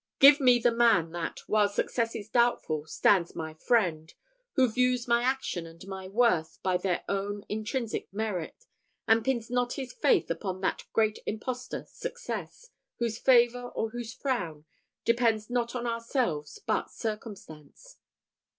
Give me the man that, while success is doubtful, stands my friend, who views my actions and my worth by their own intrinsic merit, and pins not his faith upon that great impostor success, whose favour or whose frown depends not on ourselves but circumstance."